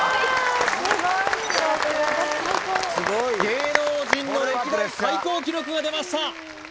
芸能人の歴代最高記録が出ました